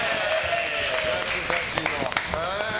懐かしの。